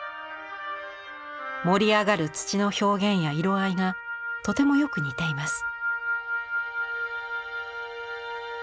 盛り上がる土の表現や色合いがとてもよく似ています。